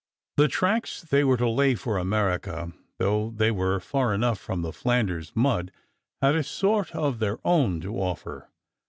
The tracks they were to lay for America, though they were far enough from the Flanders mud, had a sort of their own to offer.